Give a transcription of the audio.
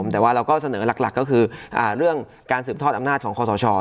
แต่ว่าเราก็เสนอหลักก็คือเรื่องการสืบทอดอำนาจของคอสช